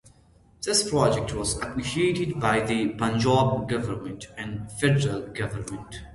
This project was appreciated by the Punjab Government and Federal Government.